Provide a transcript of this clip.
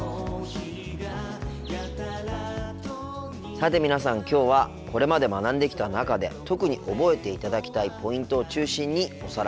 さて皆さんきょうはこれまで学んできた中で特に覚えていただきたいポイントを中心におさらいしています。